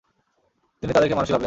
তিনি তাদেরকে মানুষই ভাবলেন।